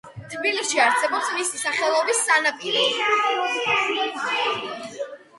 თბილისში არსებობს მისი სახელობის სანაპირო.